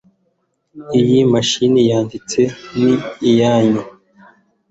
Iyi mashini yandika ni iyanyu